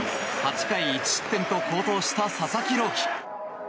８回１失点と好投した佐々木朗希。